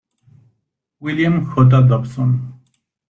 William J. Dobson.